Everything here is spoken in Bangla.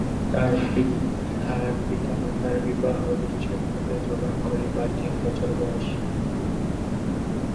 তার পিতা-মাতার বিবাহ বিচ্ছেদ ঘটে যখন খলিফার তিন বছর বয়স।